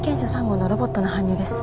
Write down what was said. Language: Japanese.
３号のロボットの搬入です。